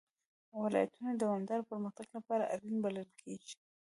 ولایتونه د دوامداره پرمختګ لپاره اړین بلل کېږي.